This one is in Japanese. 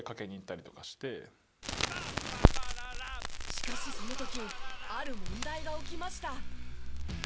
しかしその時ある問題が起きました。